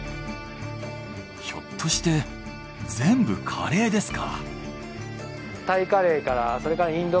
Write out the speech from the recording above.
ひょっとして全部カレーですか？